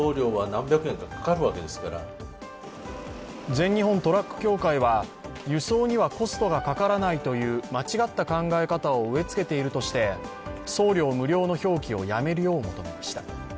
全日本トラック協会は、輸送にはコストがかからないという間違った考え方を植え付けているとして送料無料の表記をやめるよう求めました。